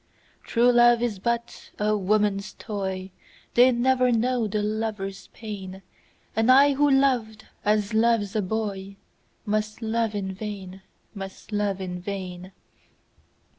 True love is but a woman's toy, They never know the lover's pain, And I who loved as loves a boyMust love in vain, must love in vain.